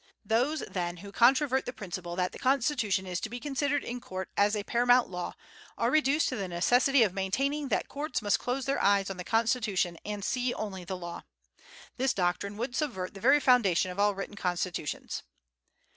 Those, then, who controvert the principle that the Constitution is to be considered in court as a paramount law, are reduced to the necessity of maintaining that courts must close their eyes on the Constitution and see only the law. This doctrine would subvert the very foundation of all written constitutions."